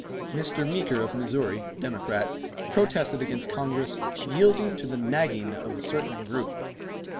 Mr. Meeker of Missouri, Democrat, protested against Congress "yielding to the nagging of a certain group."